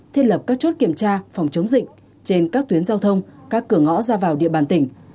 thiết lập các chốt kiểm tra phòng chống dịch trên các tuyến giao thông các cửa ngõ ra vào địa bàn tỉnh